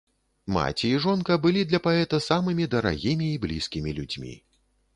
Маці і жонка былі для паэта самымі дарагімі і блізкімі людзьмі.